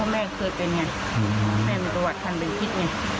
แม่มีประวัติภัณฑ์เป็นพิษ